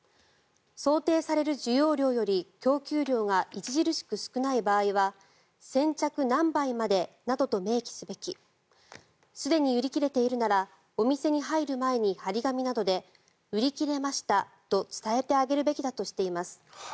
想定される需要量より供給量が著しく少ない場合は先着何杯までなどと明記すべきすでに売り切れているならお店に入る前に貼り紙などで売り切れましたと伝えてあげるべきだとしています。